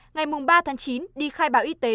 ngày ba tháng chín đi khai báo y tế